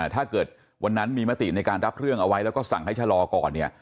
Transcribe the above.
ถ้าเกิดวันนั้นมีมติในการรับเรื่องเอาไว้แล้วก็สั่งให้ชะลอก่อนเนี่ย